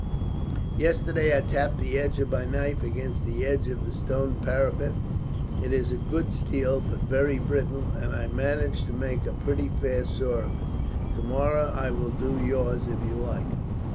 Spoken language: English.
Yesterday I tapped the edge of my knife against the edge of the stone parapet it is good steel, but very brittle and I managed to make a pretty fair saw of it. Tomorrow I will do yours, if you like."